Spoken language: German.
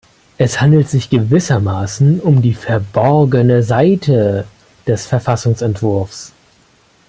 Es handelt sich gewissermaßen um die verborgene Seite des Verfassungsentwurfs.